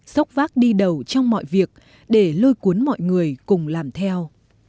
sốc vác đi đầu trong mọi việc để lôi cuốn mọi người cùng làm theo